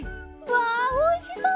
わあおいしそう！